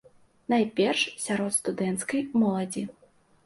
Найперш сярод студэнцкай моладзі.